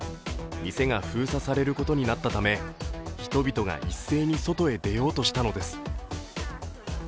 店が封鎖されることになったため人々が一斉に外へ出ようとしたのです。